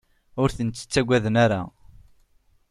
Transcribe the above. Ur ten-ttagaden ara.